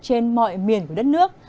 trên mọi miền của đất nước